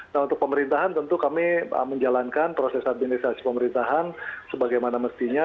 nah untuk pemerintahan tentu kami menjalankan proses administrasi pemerintahan sebagaimana mestinya